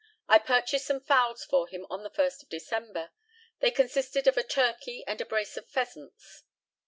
I purchased some fowls for him on the 1st of December. They consisted of a turkey and a brace of pheasants.